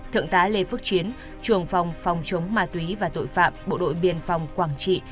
thượng tá lê phước chiến trường phòng phòng chống ma túy và tội phạm bộ đội biên phòng quảng trị